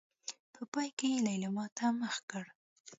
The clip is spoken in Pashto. په پای کې يې ليلما ته مخ کړ.